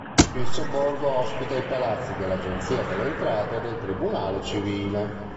Il sobborgo ospita i palazzi dell'Agenzia delle Entrate e del Tribunale Civile.